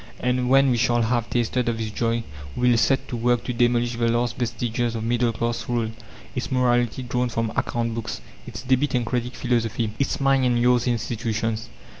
And when we shall have tasted of this joy, we will set to work to demolish the last vestiges of middle class rule: its morality drawn from account books, its 'debit and credit' philosophy, its 'mine and yours' institutions.